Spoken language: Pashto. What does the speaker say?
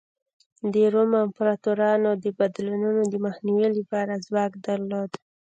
د روم امپراتورانو د بدلونونو د مخنیوي لپاره ځواک درلود.